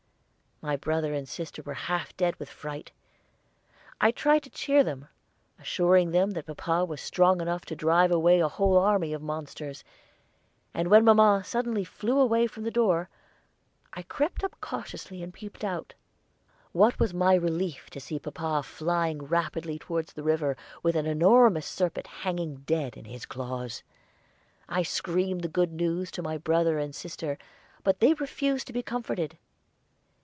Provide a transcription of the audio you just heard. My brother and sister were half dead with fright. I tried to cheer them, assuring them that papa was strong enough to drive away a whole army of monsters, and when mamma suddenly flew away from the door, I crept up cautiously and peeped out. What was my relief to see papa flying rapidly toward the river, with an enormous serpent hanging dead in his claws! I screamed the good news to my brother and sister, but they refused to be comforted.